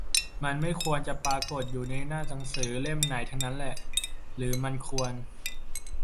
มันไม่ควรจะปรากฎอยู่ในหน้าหนังสือเล่มไหนทั้งนั้นแหละ หรือมันควร